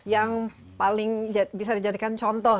yang paling bisa dijadikan contoh